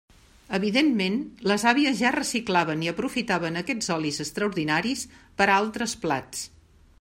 Evidentment les àvies ja reciclaven i aprofitaven aquests olis extraordinaris per a altres plats.